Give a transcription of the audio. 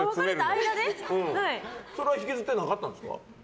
それは引きずってなかったんですか？